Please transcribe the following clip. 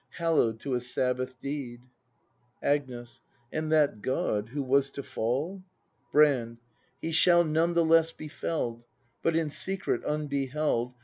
Hallo w'd to a Sabbath deed. Agnes. And that God, who was to fall? Brand. He shall, none the less, be fell'd, — But in secret, unbeheld.